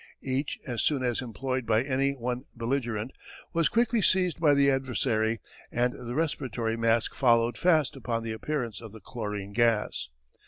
Each, as soon as employed by any one belligerent, was quickly seized by the adversary, and the respiratory mask followed fast upon the appearance of the chlorine gas.